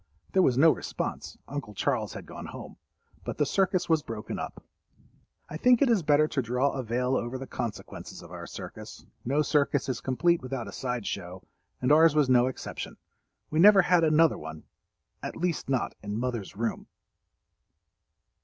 There was no response—Uncle Charles had gone home. But the circus was broken up. I think it is better to draw a veil over the consequences of our circus. No circus is complete without a side show—and ours was no exception. We never had another one—at least not in mother's room.